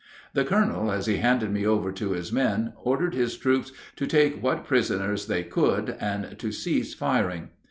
The colonel as he handed me over to his men ordered his troops to take what prisoners they could and to cease firing.